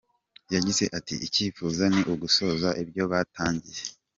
Yagize ati: “ikifuzo ni ugusoza ibyo batangiye.